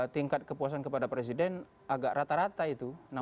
tingkat kepuasan kepada presiden agak rata rata itu